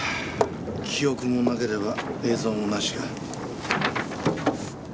記憶もなければ映像もなしか。